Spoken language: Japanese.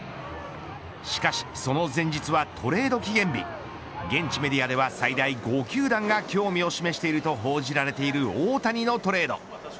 しかしその前日はトレード期限日現地メディアでは最大５球団が興味を示していると報じられている大谷のトレード。